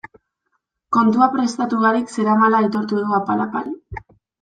Kontua prestatu barik zeramala aitortu du apal-apal.